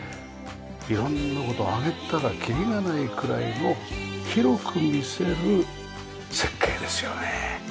色んな事を挙げたら切りがないくらいの広く見せる設計ですよね。